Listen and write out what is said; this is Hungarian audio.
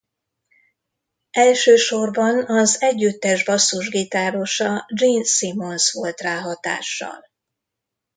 Elsősorban az együttes basszusgitárosa Gene Simmons volt rá hatással.